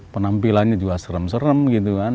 penampilannya juga serem serem gitu kan